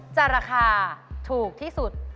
ราคาถูกที่สุด